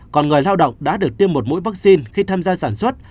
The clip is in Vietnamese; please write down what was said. còn người lao động đã được tiêm một mũi vaccine khi tham gia sản xuất